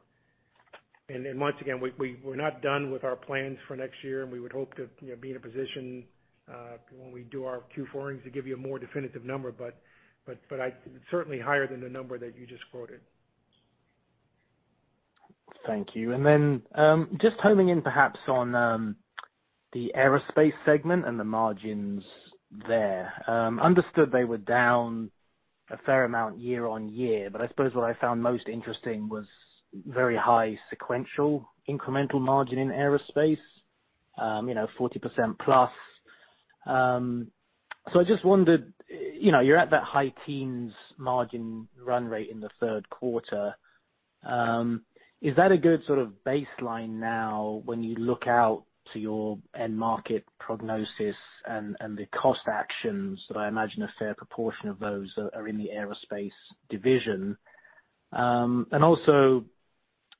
Once again, we're not done with our plans for next year, and we would hope to be in a position, when we do our Q4 earnings to give you a more definitive number, but certainly higher than the number that you just quoted. Thank you. Just honing in perhaps on the Aerospace segment and the margins there. Understood they were down a fair amount year-over-year, but I suppose what I found most interesting was very high sequential incremental margin in Aerospace, 40%+. I just wondered, you're at that high teens margin run rate in the third quarter. Is that a good sort of baseline now when you look out to your end market prognosis and the cost actions that I imagine a fair proportion of those are in the Aerospace division?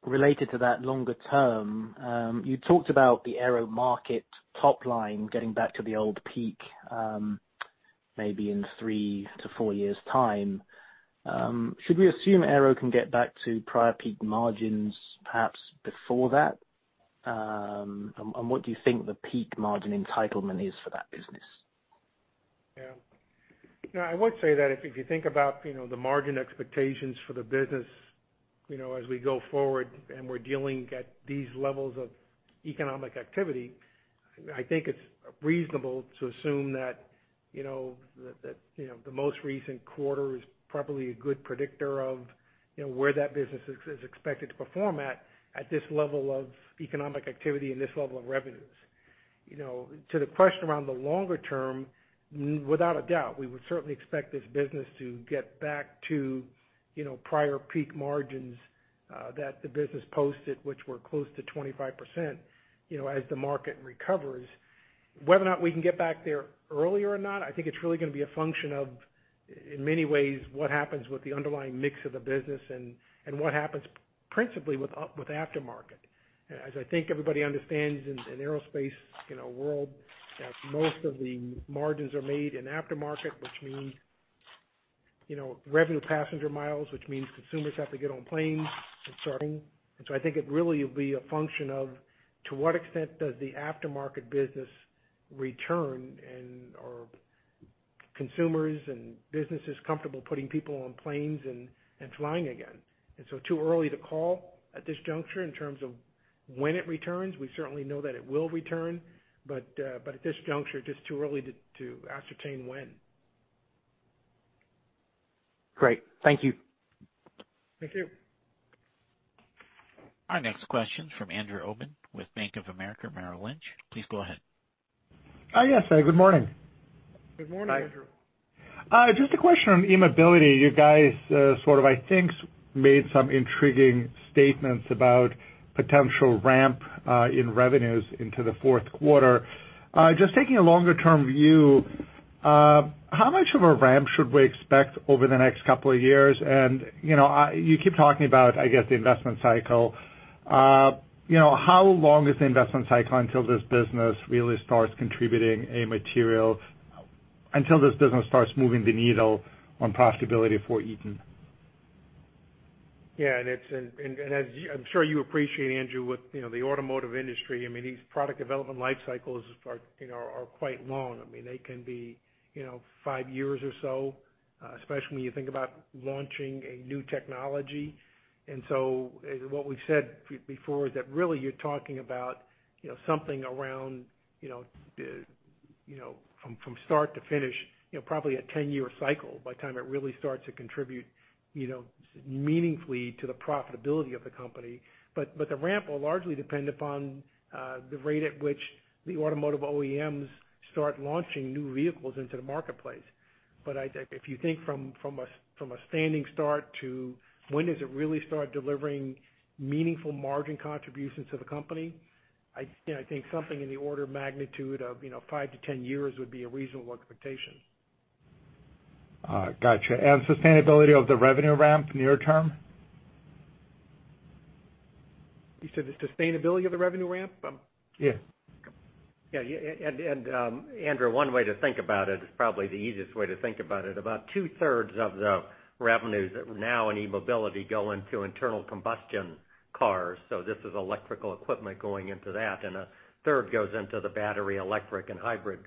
Related to that longer term, you talked about the Aero market top line getting back to the old peak, maybe in three-four years' time. Should we assume Aero can get back to prior peak margins, perhaps before that? What do you think the peak margin entitlement is for that business? Yeah. I would say that if you think about the margin expectations for the business as we go forward and we're dealing at these levels of economic activity, I think it's reasonable to assume that the most recent quarter is probably a good predictor of where that business is expected to perform at this level of economic activity and this level of revenues. To the question around the longer term, without a doubt, we would certainly expect this business to get back to prior peak margins, that the business posted, which were close to 25%, as the market recovers. Whether or not we can get back there earlier or not, I think it's really going to be a function of, in many ways, what happens with the underlying mix of the business and what happens principally with aftermarket. As I think everybody understands in Aerospace world, that most of the margins are made in aftermarket, which means revenue passenger miles, which means consumers have to get on planes and starting. I think it really will be a function of to what extent does the aftermarket business return and/or consumers and businesses comfortable putting people on planes and flying again. Too early to call at this juncture in terms of when it returns. We certainly know that it will return, but at this juncture, just too early to ascertain when. Great. Thank you. Thank you. Our next question from Andrew Obin with Bank of America Merrill Lynch. Please go ahead. Yes. Good morning. Good morning, Andrew. Just a question on eMobility. You guys sort of, I think, made some intriguing statements about potential ramp in revenues into the fourth quarter. Just taking a longer-term view, how much of a ramp should we expect over the next couple of years? You keep talking about, I guess, the investment cycle. How long is the investment cycle until this business really starts moving the needle on profitability for Eaton? Yeah. I'm sure you appreciate, Andrew, with the automotive industry, these product development life cycles are quite long. They can be five years or so, especially when you think about launching a new technology. What we've said before is that really you're talking about something around from start to finish, probably a 10-year cycle by the time it really starts to contribute meaningfully to the profitability of the company. The ramp will largely depend upon the rate at which the automotive OEMs start launching new vehicles into the marketplace. If you think from a standing start to when does it really start delivering meaningful margin contributions to the company, I think something in the order of magnitude of 5-10 years would be a reasonable expectation. Got you. Sustainability of the revenue ramp near term? You said the sustainability of the revenue ramp? Yeah. Yeah. Andrew, one way to think about it is probably the easiest way to think about it. About 2/3of the revenues now in eMobility go into internal combustion cars. This is electrical equipment going into that, and a third goes into the battery, electric, and hybrid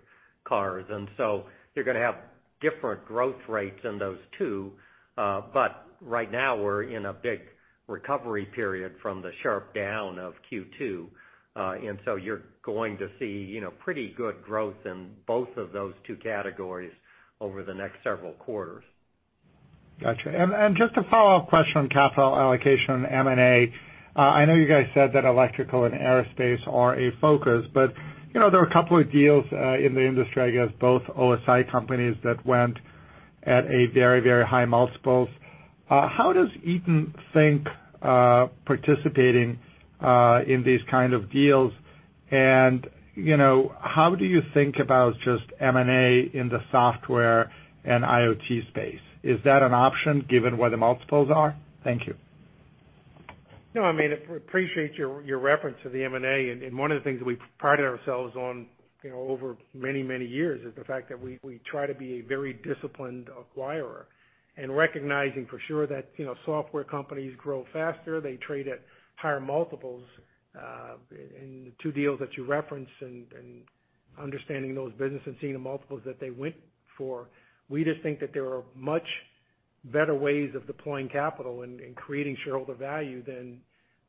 cars. You're going to have different growth rates in those two. Right now, we're in a big recovery period from the sharp down of Q2. You're going to see pretty good growth in both of those two categories over the next several quarters. Got you. Just a follow-up question on capital allocation, M&A. I know you guys said that electrical and aerospace are a focus, but there are a couple of deals in the industry, I guess both OSIsoft companies that went at a very, very high multiples. How does Eaton think participating in these kind of deals and how do you think about just M&A in the software and IoT space? Is that an option given where the multiples are? Thank you. No, I appreciate your reference to the M&A. One of the things that we prided ourselves on over many, many years is the fact that we try to be a very disciplined acquirer. Recognizing for sure that software companies grow faster, they trade at higher multiples, and the two deals that you referenced, and understanding those businesses and seeing the multiples that they went for. We just think that there are much better ways of deploying capital and creating shareholder value than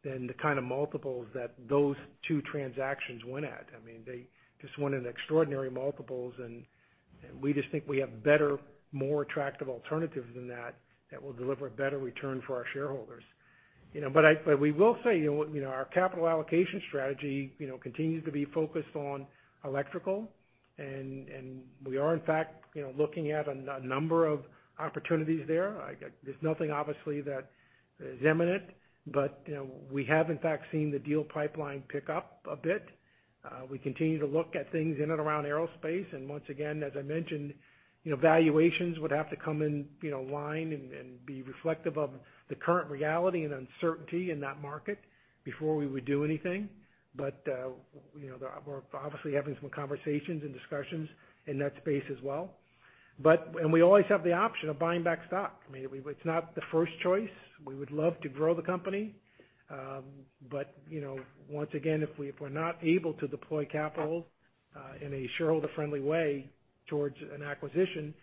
the kind of multiples that those two transactions went at. They just went in extraordinary multiples, and we just think we have better, more attractive alternatives than that will deliver a better return for our shareholders. We will say, our capital allocation strategy continues to be focused on electrical. We are, in fact, looking at a number of opportunities there. There's nothing obviously that is imminent, but we have in fact seen the deal pipeline pick up a bit. We continue to look at things in and around aerospace, and once again, as I mentioned, valuations would have to come in line and be reflective of the current reality and uncertainty in that market before we would do anything. We're obviously having some conversations and discussions in that space as well. We always have the option of buying back stock. It's not the first choice. We would love to grow the company. Once again, if we're not able to deploy capital in a shareholder-friendly way towards an acquisition,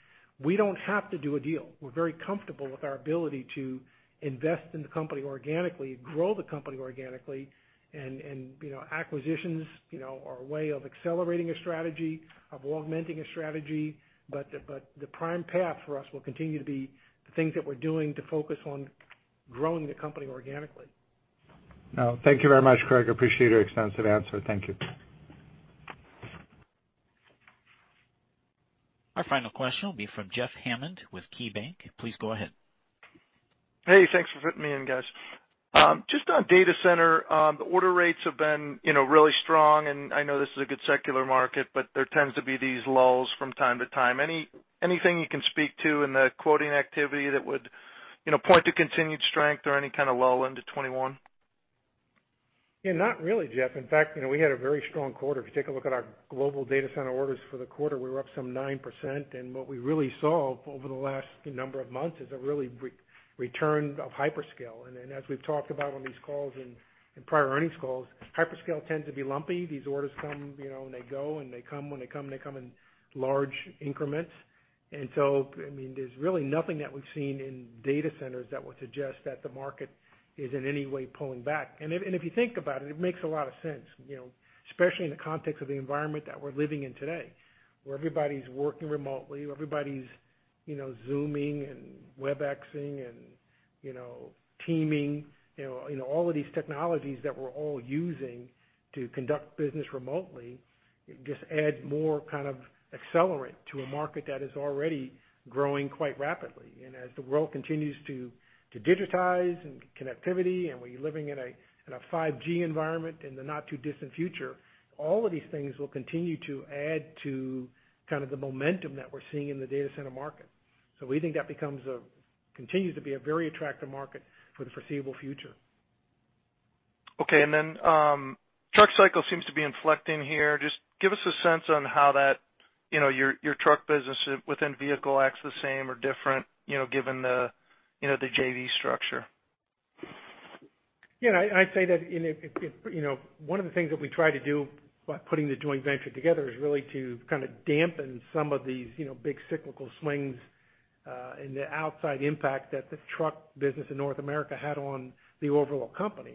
we don't have to do a deal. We're very comfortable with our ability to invest in the company organically, grow the company organically, and acquisitions are a way of accelerating a strategy, of augmenting a strategy. The prime path for us will continue to be the things that we're doing to focus on growing the company organically. Thank you very much, Craig. Appreciate your extensive answer. Thank you. Our final question will be from Jeff Hammond with KeyBank. Please go ahead. Hey, thanks for fitting me in, guys. Just on data center. The order rates have been really strong, and I know this is a good secular market, but there tends to be these lulls from time to time. Anything you can speak to in the quoting activity that would point to continued strength or any kind of lull into 2021? Yeah, not really, Jeff. In fact, we had a very strong quarter. If you take a look at our global data center orders for the quarter, we were up some 9%, what we really saw over the last number of months is a really return of hyperscale. As we've talked about on these calls and in prior earnings calls, hyperscale tends to be lumpy. These orders come and they go, and they come. When they come, they come in large increments. There's really nothing that we've seen in data centers that would suggest that the market is in any way pulling back. If you think about it makes a lot of sense, especially in the context of the environment that we're living in today, where everybody's working remotely, everybody's Zooming and Webexing and Teaming. All of these technologies that we're all using to conduct business remotely just add more kind of accelerant to a market that is already growing quite rapidly. As the world continues to digitize and connectivity, and we're living in a 5G environment in the not-too-distant future, all of these things will continue to add to kind of the momentum that we're seeing in the data center market. We think that continues to be a very attractive market for the foreseeable future. Truck cycle seems to be inflecting here. Just give us a sense on how your truck business within vehicle acts the same or different, given the JV structure. I'd say that one of the things that we try to do by putting the joint venture together is really to kind of dampen some of these big cyclical swings, and the outside impact that the truck business in North America had on the overall company.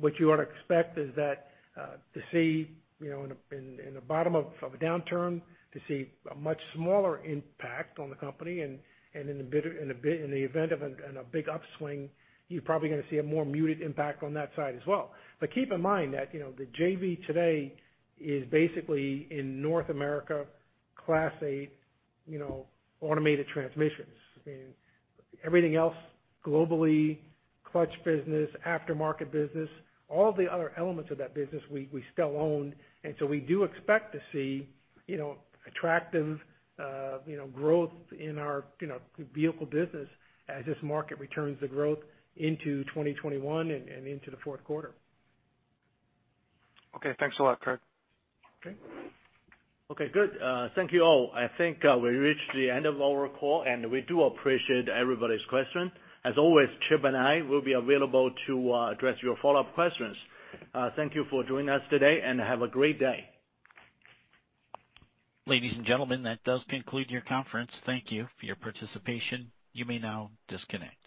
What you ought to expect is that, to see in the bottom of a downturn, to see a much smaller impact on the company, and in the event of a big upswing, you're probably going to see a more muted impact on that side as well. Keep in mind that the JV today is basically in North America, Class 8 automated transmissions. Everything else globally, clutch business, aftermarket business, all the other elements of that business we still own. We do expect to see attractive growth in our vehicle business as this market returns to growth into 2021 and into the fourth quarter. Okay. Thanks a lot, Craig. Okay. Okay, good. Thank you all. I think we reached the end of our call. We do appreciate everybody's question. As always, Craig and I will be available to address your follow-up questions. Thank you for joining us today. Have a great day. Ladies and gentlemen, that does conclude your conference. Thank you for your participation. You may now disconnect.